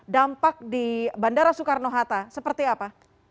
dampak di bandara soekarno hatta seperti apa